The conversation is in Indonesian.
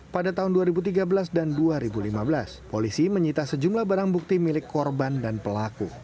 pada tahun dua ribu tiga belas dan dua ribu lima belas polisi menyita sejumlah barang bukti milik korban dan pelaku